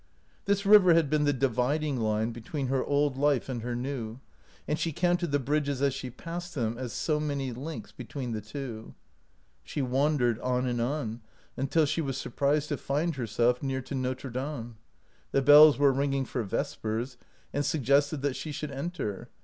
This river had been the dividing line between her old life and her new, and she counted the bridges as she passed them as so many links between the two. She wandered on and on, until she was surprised to find herself near to Notre Dame. The bells were ringing for vespers, and suggested that she should enter.